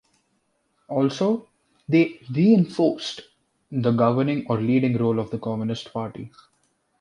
Also, they “reinforced” the governing or leading role of the Communist Party.